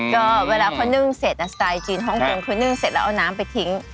ก็เวลาเขานึ่งเสร็จสไตล์จีนฮ่องกงคือนึ่งเสร็จแล้วเอาน้ำไปทิ้ง